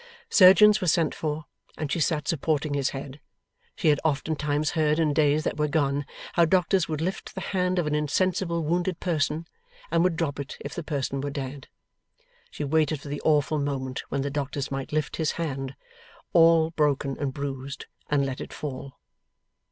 Surgeons were sent for, and she sat supporting his head. She had oftentimes heard in days that were gone, how doctors would lift the hand of an insensible wounded person, and would drop it if the person were dead. She waited for the awful moment when the doctors might lift this hand, all broken and bruised, and let it fall.